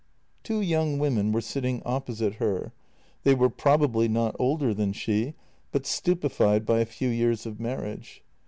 Two young women were sitting opposite her. They were probably not older than she, but stupefied by a few years of marriage.